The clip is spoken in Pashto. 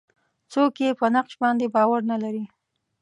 څوک یې په نقش باندې باور نه لري.